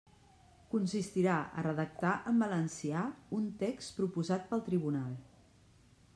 Consistirà a redactar en valencià un text proposat pel tribunal.